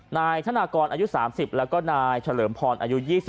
นายธนากรอายุ๓๐แล้วก็นายเฉลิมพรอายุ๒๐